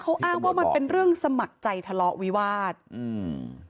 เขาอ้างว่ามันเป็นเรื่องสมัครใจทะเลาะวิวาสอืม